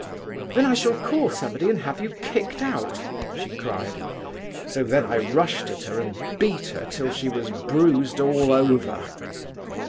'Then I shall call somebody and have you kicked out,' she cried. So then I rushed at her, and beat her till she was bruised all over."